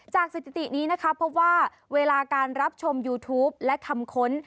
สถิตินี้นะคะพบว่าเวลาการรับชมยูทูปและคำค้น